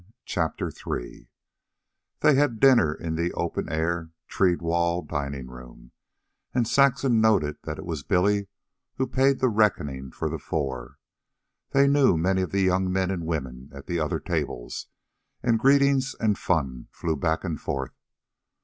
CHAPTER III They had dinner in the open air, tree walled dining room, and Saxon noted that it was Billy who paid the reckoning for the four. They knew many of the young men and women at the other tables, and greetings and fun flew back and forth.